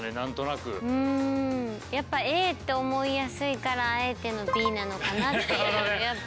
やっぱＡって思いやすいからあえてのＢなのかなっていうやっぱり。